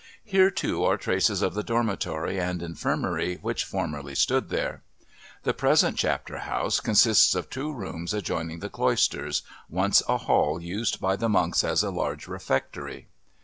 Here, too, are traces of the dormitory and infirmary which formerly stood there. The present Chapter House consists of two rooms adjoining the Cloisters, once a hall used by the monks as a large refectory.